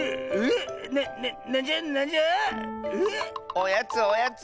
おやつおやつ！